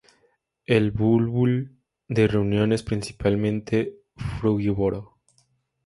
El bulbul de Reunión es principalmente frugívoro.